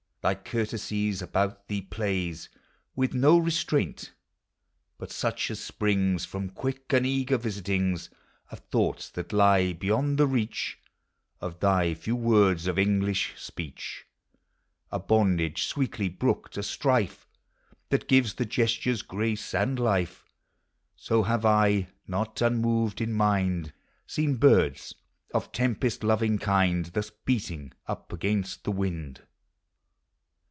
Thy courtesies, about thee plays; With uo restraint, but such as springs From quick aud eager visitings Of thoughts that lie beyond the reach Of thy few words of Knglish speech, — A bondage sweetly brooked, a strife That gives thy gestures grace and life! So have I, not unmoved in mind, Seen birds of tempest loving kiud. Thus beating up against the wind.